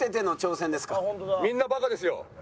みんなバカですよ。